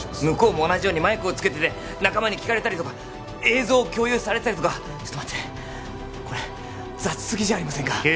向こうも同じようにマイクをつけてて仲間に聞かれたりとか映像を共有されたりとかちょっと待ってこれ雑すぎじゃありませんか？